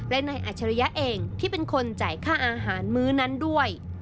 และนายอัชริยะเองที่เป็นคนจ่ายค่าอาหารมื้อนั้นด้วย